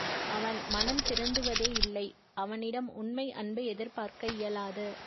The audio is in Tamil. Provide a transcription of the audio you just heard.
அவன் மனம் திருந்துவதே இல்லை அவனிடம் உண்மை அன்பு எதிர் பார்க்க இயலாது.